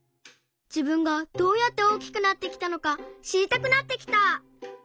自分がどうやって大きくなってきたのかしりたくなってきた！